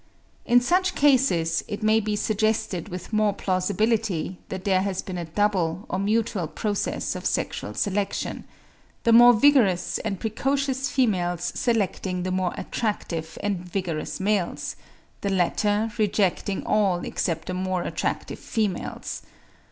In such cases it may be suggested with more plausibility, that there has been a double or mutual process of sexual selection; the more vigorous and precocious females selecting the more attractive and vigorous males, the latter rejecting all except the more attractive females.